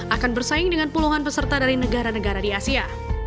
akan bersaing dengan puluhan peserta dari negara negara di asia